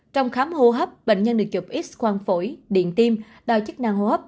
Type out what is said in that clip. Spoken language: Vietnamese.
trong khám hô hấp bệnh nhân được chụp x quang phổi điện tim đòi chức năng hô hấp